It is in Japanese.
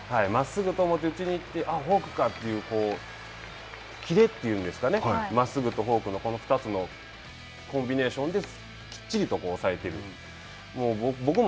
真っすぐと思って打ちに行ってあっ、フォークかという切れというのですか、真っすぐとフォークのこの２つのコンビネーションできっちりと抑えている。